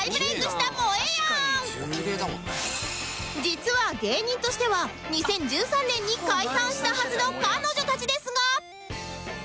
実は芸人としては２０１３年に解散したはずの彼女たちですが